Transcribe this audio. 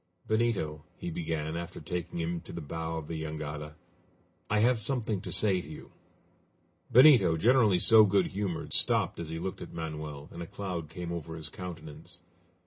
"Benito," he began, after taking him to the bow of the jangada, "I have something to say to you." Benito, generally so good humored, stopped as he looked at Manoel, and a cloud came over his countenance.